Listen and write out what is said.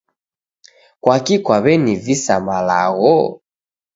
Kwaki kwaw'enivisa malagho?